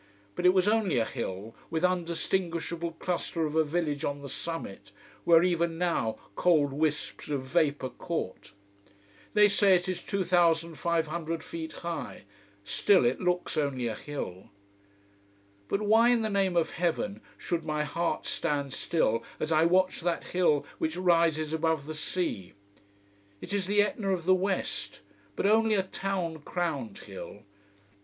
But it was only a hill, with undistinguishable cluster of a village on the summit, where even now cold wisps of vapour caught. They say it is 2,500 feet high. Still it looks only a hill. But why in the name of heaven should my heart stand still as I watch that hill which rises above the sea? It is the Etna of the west: but only a town crowned hill.